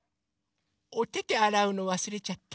おててあらうのわすれちゃった。